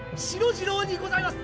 次郎にございます！